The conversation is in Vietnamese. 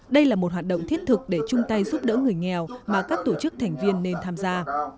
đây là một hoạt động thiết thực để chung tay giúp đỡ người nghèo mà các tổ chức thành viên nên tham gia